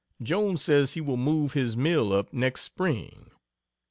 Jones says he will move his mill up next spring.